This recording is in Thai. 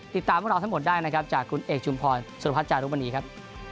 ติดตามกับเราทั้งหมดได้นะครับจากคุณเอกจุมพอร์สุรพัฒน์จานุบันนี้ครับ